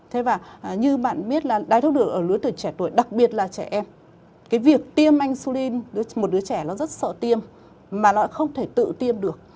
thế và như bạn biết là đáy tháo đường ở lưới tuổi trẻ tuổi đặc biệt là trẻ em cái việc tiêm insulin một đứa trẻ nó rất sợ tiêm mà nó cũng không thể tự tiêm được